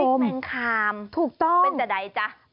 น้ำพริกแมงคามเป็นจากใดจ๊ะถูกต้อง